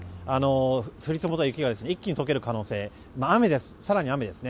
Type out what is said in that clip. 降り積もった雪が一気に解ける可能性更に雨ですね